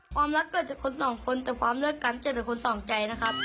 ความรักเกิดจากคนสองคนแต่ความเลือกกันเจอแต่คนสองใจนะครับ